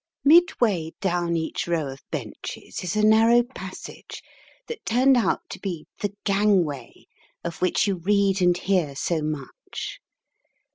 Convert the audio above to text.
Midway down each row of benches is a narrow passage that turned out to be "the gangway," of which you read and hear so much.